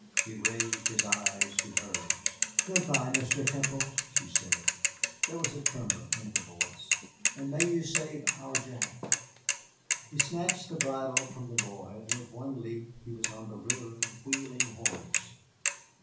He raised his eyes to hers. "Good by, Mr. Temple," she said, there was a tremor in her voice, "and may you save our Jack!" He snatched the bridle from the boy, and with one leap he was on the rearing, wheeling horse.